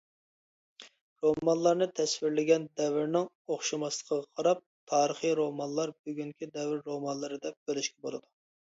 رومانلارنى تەسۋىرلىگەن دەۋرنىڭ ئوخشىماسلىقىغا قاراپ ‹‹تارىخىي رومانلار››، ‹‹بۈگۈنكى دەۋر رومانلىرى›› دەپ بۆلۈشكە بولىدۇ.